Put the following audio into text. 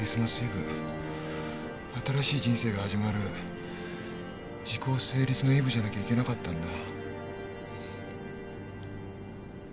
新しい人生が始まる時効成立のイブじゃなきゃいけなかったんだ。